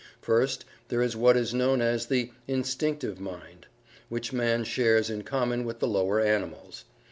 First, there is what is known as the Instinctive Mind, which man shares in common with the lower animals.